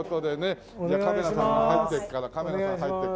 カメラさんも入っていくからカメラさん入っていく。